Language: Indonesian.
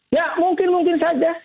ya mungkin mungkin saja